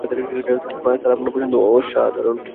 Sir, আপনার পছন্দ অসাধারণ।